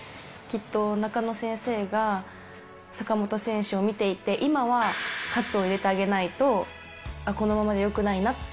きっと中野先生が坂本選手を見ていて、今は喝を入れてあげないとこのままじゃよくないな。